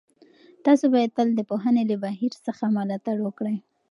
تاسو باید تل د پوهنې له بهیر څخه ملاتړ وکړئ.